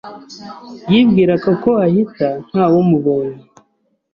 Yibwiraga ko ahita ntawe umubonye